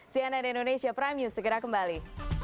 cnn indonesia prime news segera kembali